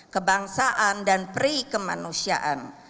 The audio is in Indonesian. kebangsaan dan prekemanusiaan